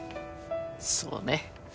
そうね。